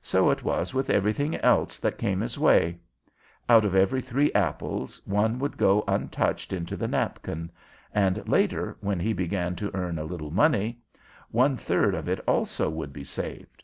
So it was with everything else that came his way. Out of every three apples one would go untouched into the napkin; and later, when he began to earn a little money, one third of it also would be saved.